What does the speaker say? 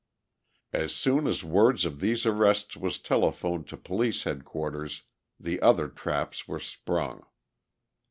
As soon as word of these arrests was telephoned to Police Headquarters, the other traps were sprung.